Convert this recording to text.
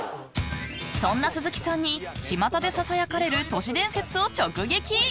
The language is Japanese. そんな鈴木さんにちまたでささやかれる都市伝説を直撃。